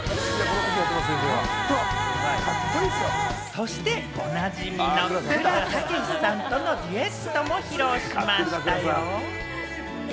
そしておなじみの倉たけしさんとのデュエットも披露しました。